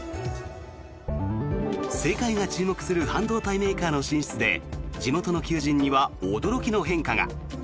世界が注目する半導体メーカーの進出で地元の求人には驚きの変化が。